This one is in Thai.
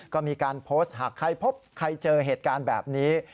ก็มีการโพสต์หากใครพบใครเจอเหตุการณ์แบบนี้